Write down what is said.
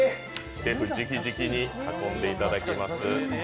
シェフじきじきに運んでいただきます。